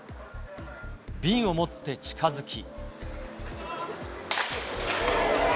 瓶を持って近づき。